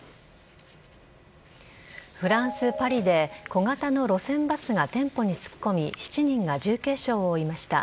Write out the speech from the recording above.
フランス・パリで小型の路線バスが店舗に突っ込み７人が重軽傷を負いました。